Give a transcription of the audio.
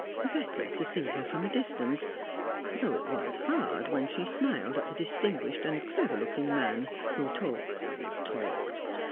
Better to see her from a distance though it was hard when she smiled at the distinguished and clever looking man who talked, talked.